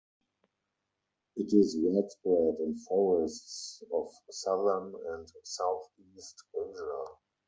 It is widespread in forests of southern and southeast Asia.